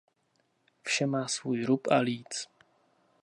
Vše má svůj rub a líc.